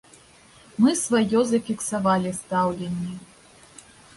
Мы сваё зафіксавалі стаўленне.